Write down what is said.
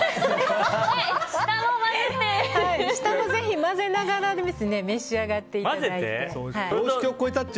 下もぜひ混ぜながら召し上がっていただいて。